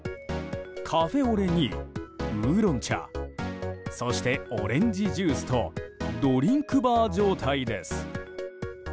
カフェオレにウーロン茶そしてオレンジジュースとドリンクバー状態です。